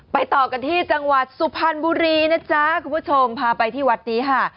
ต่อกันที่จังหวัดสุพรรณบุรีนะจ๊ะคุณผู้ชมพาไปที่วัดนี้ค่ะ